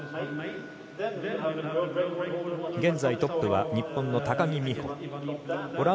現在トップは日本の高木美帆。